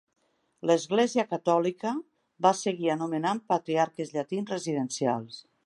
L"església catòlica va seguir anomenant patriarques llatins residencials.